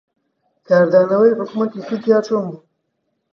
کاردانەوەی حکوومەتی تورکیا چۆن بوو؟